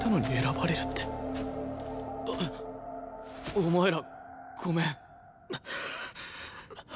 お前らごめん。